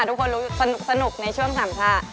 ทุกคนรู้สนุกในช่วง๓ท่า